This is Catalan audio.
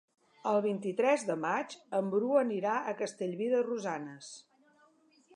El vint-i-tres de maig en Bru anirà a Castellví de Rosanes.